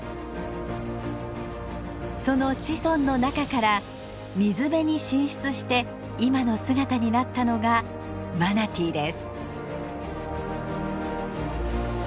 その子孫の中から水辺に進出して今の姿になったのがマナティーです。